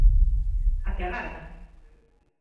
¿A que agardan?